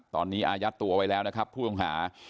ตอนนี้อายัดตัวไว้แล้วนะครับผู้ต้องหา